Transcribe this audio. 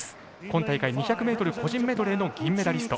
今大会２００ｍ個人メドレーの銀メダル。